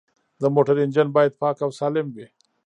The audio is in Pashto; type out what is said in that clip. د موټر انجن باید پاک او سالم وي.